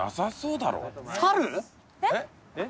えっ？